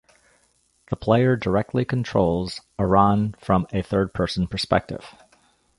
The player directly controls Arran from a third person perspective.